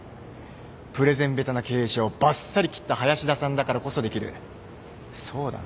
プレゼン下手な経営者をばっさり切った林田さんだからこそできるそうだな。